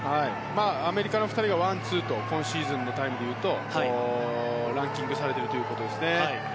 アメリカの２人がワンツーと今シーズンのタイムでいうとランキングされているということですね。